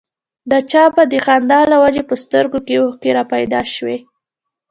د چا به د خندا له وجې په سترګو کې اوښکې را پيدا شوې.